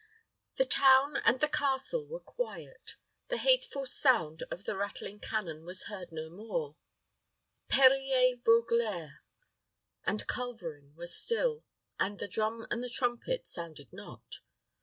The town and the castle were quiet; the hateful sound of the rattling cannon was heard no more; pierrier, veuglaire, and culverin were still, and the drum and the trumpet sounded not.